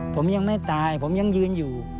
ผมยังไม่ตายผมยังยืนอยู่